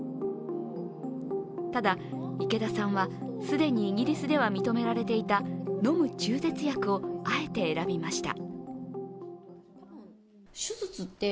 ただ、池田さんは既にイギリスでは認められていた飲む中絶薬をあえて選びました。